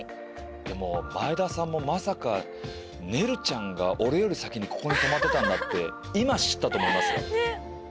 でも前田さんもまさかねるちゃんが俺より先にここに泊まってたんだって今知ったと思いますよ。